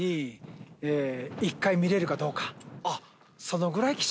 見れるかどうか。